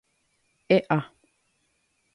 ¡E'a!